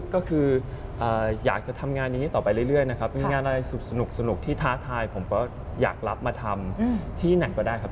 ก็คืออยากจะทำงานนี้ต่อไปเรื่อยนะครับมีงานอะไรสนุกที่ท้าทายผมก็อยากรับมาทำที่ไหนก็ได้ครับ